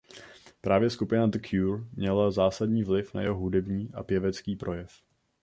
Právě skupina The Cure měla zásadní vliv na jeho hudební a pěvecký projev.